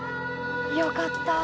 よかった。